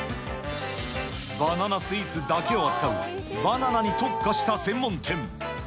バナナスイーツだけを扱うバナナに特化した専門店。